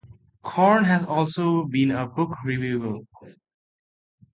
Corn has also been a book reviewer.